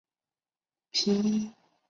皮伊塞蓬图瓦兹人口变化图示